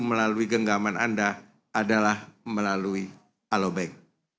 melalui genggaman anda adalah melalui alo bank